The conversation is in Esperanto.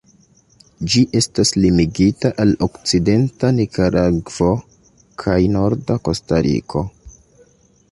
Ĝi estas limigita al okcidenta Nikaragvo kaj norda Kostariko.